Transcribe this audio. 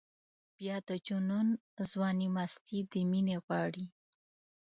بیا د جنون ځواني مستي د مینې غواړي.